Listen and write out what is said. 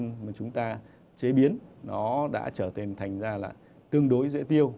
thức ăn mà chúng ta chế biến nó đã trở thành là tương đối dễ tiêu